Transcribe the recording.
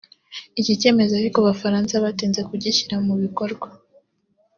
Iki cyemezo ariko Abafaransa batinze kugishyira mu bikorwa